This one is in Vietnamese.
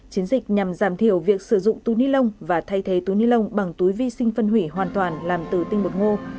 chiến dịch nhằm giảm thiểu việc sử dụng túi ni lông và thay thế túi ni lông bằng túi vi sinh phân hủy hoàn toàn làm từ tinh bột ngô